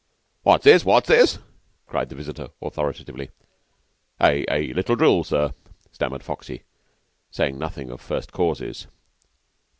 "What's this? What's this?" cried the visitor authoritatively. "A a little drill, sir," stammered Foxy, saying nothing of first causes.